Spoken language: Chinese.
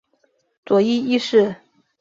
佐伊一世。